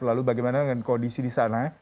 lalu bagaimana dengan kondisi di sana